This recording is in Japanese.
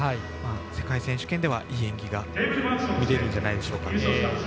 世界選手権ではいい演技が見れるんじゃないでしょうか。